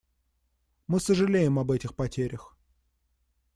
Мы сожалеем об этих потерях.